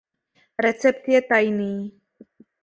Recept je tajný.